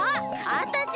あたしの！